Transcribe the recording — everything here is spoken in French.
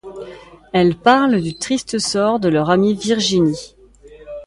Elles parlent du triste sort de leur amie Virginie.